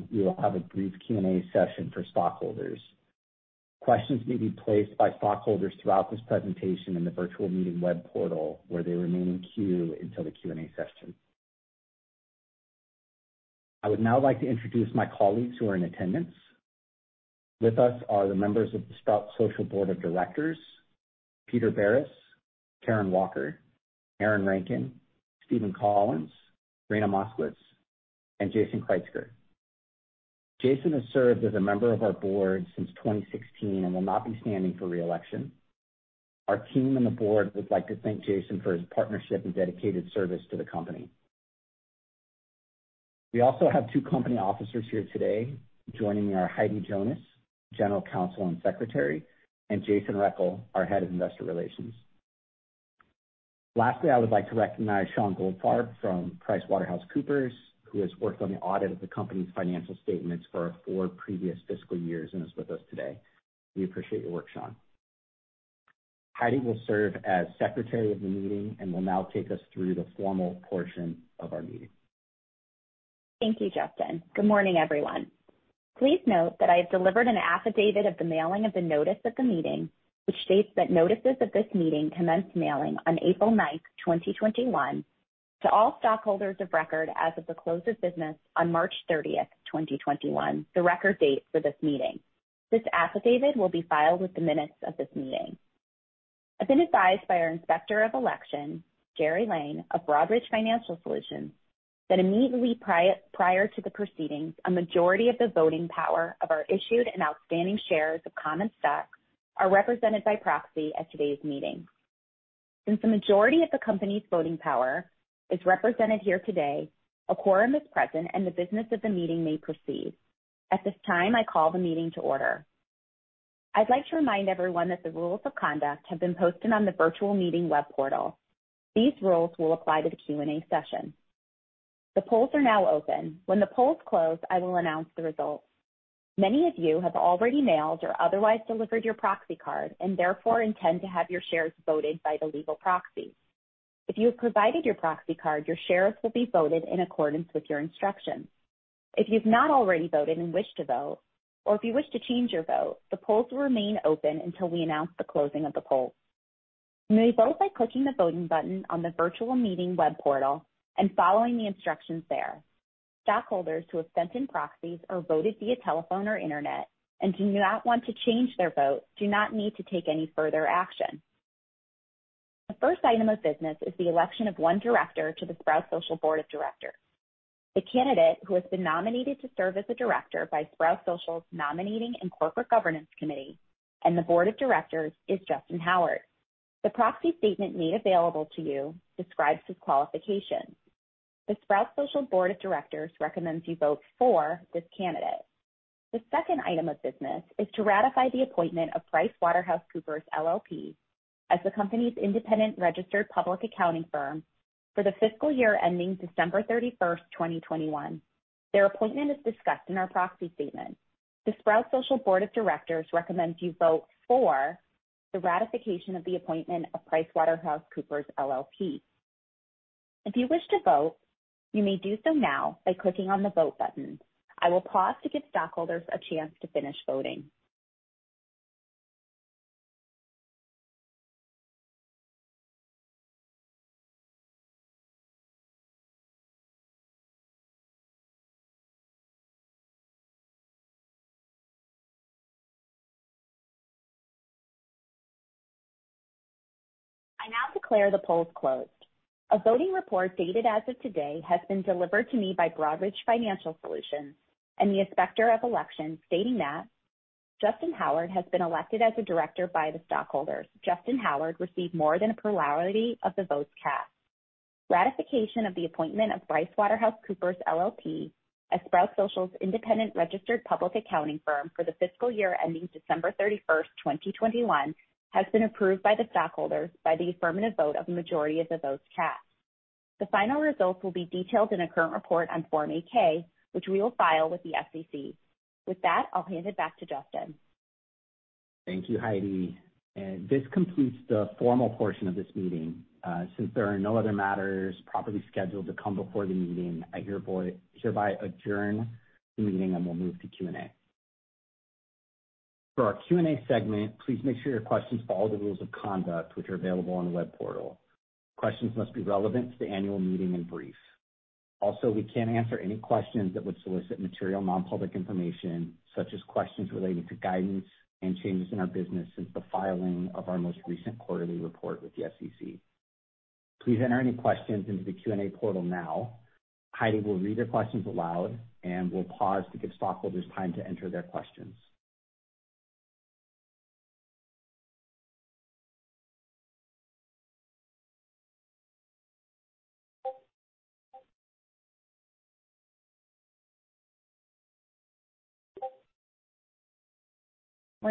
Meeting, we will have a brief Q&A session for stockholders. Questions may be placed by stockholders throughout this presentation in the virtual meeting web portal, where they remain in queue until the Q&A session. I would now like to introduce my colleagues who are in attendance. With us are the members of the Sprout Social Board of Directors: Peter Barris, Karen Walker, Aaron Rankin, Steven Collins, Raina Moskowitz, and Jason Kreuziger. Jason has served as a member of our board since 2016 and will not be standing for re-election. Our team and the board would like to thank Jason for his partnership and dedicated service to the company. We also have two company officers here today joining me: Heidi Jonas, General Counsel and Secretary, and Jason Rechel, our Head of Investor Relations. Lastly, I would like to recognize Shawn Goldfarb from PricewaterhouseCoopers, who has worked on the audit of the company's financial statements for 4 previous fiscal years and is with us today. We appreciate your work, Shaun. Heidi will serve as Secretary of the meeting and will now take us through the formal portion of our meeting. Thank you, Justyn. Good morning, everyone. Please note that I have delivered an affidavit of the mailing of the notice at the meeting, which states that notices of this meeting commence mailing on April 9, 2021, to all stockholders of record as of the close of business on March 30, 2021, the record date for this meeting. This affidavit will be filed with the minutes of this meeting. I've been advised by our Inspector of Elections, Gerry Lane, of Broadridge Financial Solutions, that immediately prior to the proceedings, a majority of the voting power of our issued and outstanding shares of common stock are represented by proxy at today's meeting. Since the majority of the company's voting power is represented here today, a quorum is present and the business of the meeting may proceed. At this time, I call the meeting to order. I'd like to remind everyone that the rules of conduct have been posted on the virtual meeting web portal. These rules will apply to the Q&A session. The polls are now open. When the polls close, I will announce the results. Many of you have already mailed or otherwise delivered your proxy card and therefore intend to have your shares voted by the legal proxy. If you have provided your proxy card, your shares will be voted in accordance with your instructions. If you've not already voted and wish to vote, or if you wish to change your vote, the polls will remain open until we announce the closing of the polls. You may vote by clicking the voting button on the virtual meeting web portal and following the instructions there. Stockholders who have sent in proxies or voted via telephone or internet and do not want to change their vote do not need to take any further action. The first item of business is the election of one director to the Sprout Social Board of Directors. The candidate who has been nominated to serve as a director by Sprout Social's Nominating and Corporate Governance Committee and the Board of Directors is Justyn Howard. The Proxy statement made available to you describes his qualifications. The Sprout Social Board of Directors recommends you vote for this candidate. The second item of business is to ratify the appointment of PricewaterhouseCoopers LLP as the company's independent registered public accounting firm for the fiscal year ending December 31, 2021. Their appointment is discussed in our Proxy statement. The Sprout Social Board of Directors recommends you vote for the ratification of the appointment of PricewaterhouseCoopers LLP. If you wish to vote, you may do so now by clicking on the vote button. I will pause to give stockholders a chance to finish voting. I now declare the polls closed. A voting report dated as of today has been delivered to me by Broadridge Financial Solutions and the Inspector of Elections, stating that Justyn Howard has been elected as a director by the stockholders. Justyn Howard received more than a plurality of the votes cast. Ratification of the appointment of PricewaterhouseCoopers LLP as Sprout Social's independent registered public accounting firm for the fiscal year ending December 31, 2021, has been approved by the stockholders by the affirmative vote of a majority of the votes cast. The final results will be detailed in a current report on Form 8-K, which we will file with the SEC. With that, I'll hand it back to Justyn. Thank you, Heidi. This completes the formal portion of this meeting. Since there are no other matters properly scheduled to come before the meeting, I hereby adjourn the meeting and we'll move to Q&A. For our Q&A segment, please make sure your questions follow the rules of conduct which are available on the web portal. Questions must be relevant to the annual meeting and brief. Also, we can't answer any questions that would solicit material nonpublic information, such as questions relating to guidance and changes in our business since the filing of our most recent quarterly report with the SEC. Please enter any questions into the Q&A portal now. Heidi will read her questions aloud and will pause to give stockholders time to enter their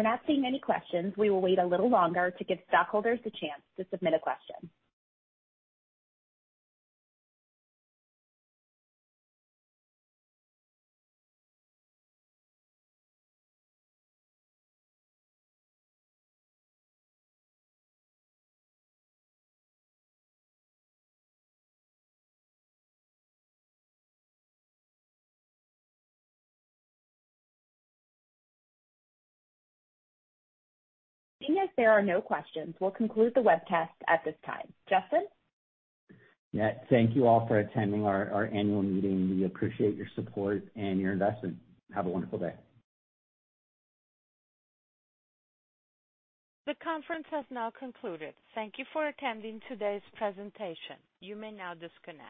questions. We're not seeing any questions. We will wait a little longer to give stockholders the chance to submit a question. Seeing as there are no questions, we'll conclude the web test at this time. Justyn? Thank you all for attending our annual meeting. We appreciate your support and your investment. Have a wonderful day. The conference has now concluded. Thank you for attending today's presentation. You may now disconnect.